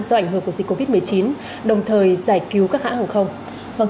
do ảnh hưởng của dịch covid một mươi chín đồng thời giải cứu các hãng hàng không